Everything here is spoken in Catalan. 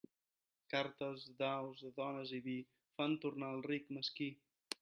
Cartes, daus, dones i vi, fan tornar al ric, mesquí.